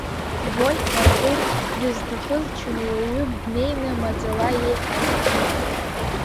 Вольф Артур дызҭахыз чынуаҩык днеины маӡала иеиҳәазаап…